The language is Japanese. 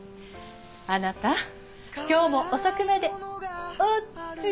あなた今日も遅くまでおっつー！